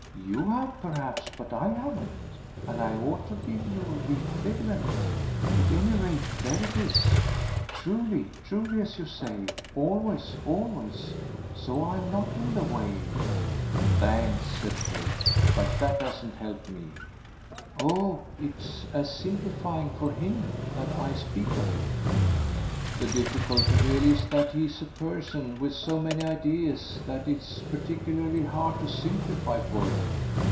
"You have perhaps, but I haven't, and I ought to give you the equivalent. At any rate there it is. 'Truly, truly' as you say 'always, always.' So I'm not in the way." "Thanks," said Kate "but that doesn't help me." "Oh it's as simplifying for HIM that I speak of it." "The difficulty really is that he's a person with so many ideas that it's particularly hard to simplify for him.